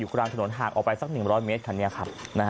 กลางถนนห่างออกไปสัก๑๐๐เมตรคันนี้ครับ